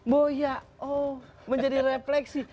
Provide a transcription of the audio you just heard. boyak oh menjadi refleksi